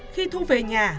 khi thu về nhà